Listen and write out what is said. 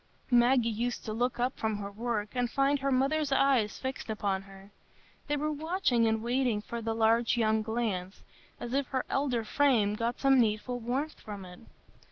Maggie used to look up from her work and find her mother's eyes fixed upon her; they were watching and waiting for the large young glance, as if her elder frame got some needful warmth from it.